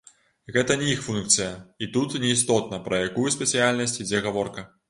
Гэта не іх функцыя, і тут не істотна, пра якую спецыяльнасць ідзе гаворка.